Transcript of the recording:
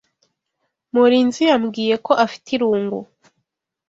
Murinzi yambwiye ko afite irungu.